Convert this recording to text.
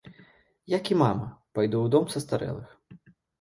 Як і мама, пайду ў дом састарэлых.